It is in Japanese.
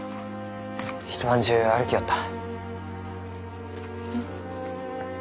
一晩中歩きよった。